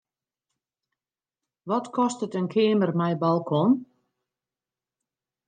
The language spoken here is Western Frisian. Wat kostet in keamer mei balkon?